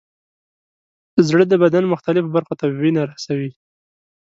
زړه د بدن مختلفو برخو ته وینه رسوي.